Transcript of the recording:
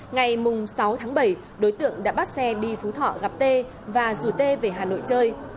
ngày sáu tháng bảy đối tượng đã bắt xe đi phú thọ gặp t và rủ tê về hà nội chơi